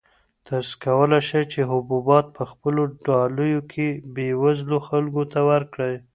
تاسو کولای شئ چې حبوبات په خپلو ډالیو کې بېوزلو خلکو ته ورکړئ.